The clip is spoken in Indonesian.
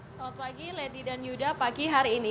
selamat pagi lady dan yuda pagi hari ini